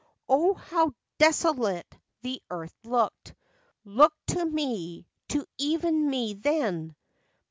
" O, how desolate the earth looked ! Looked to me, to even me, then!